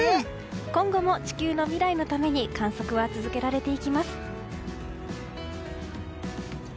今後も地球の未来のために観測は続けられていきます。